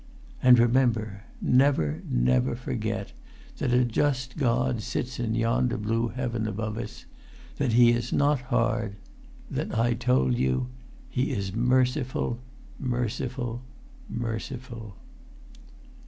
. "And remember—never, never forget—that a just God sits in yonder blue heaven above us—that He is not hard—that I told you ... He is merciful ... merciful ... merciful